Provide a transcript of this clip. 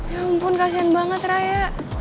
ya ampun kasian banget raya